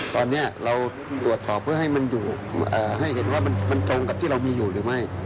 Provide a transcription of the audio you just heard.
ตอนนี้เราตรวจสอบเพื่อให้มันให้เห็นว่ามันตรงกับที่เรามีอยู่หรือไม่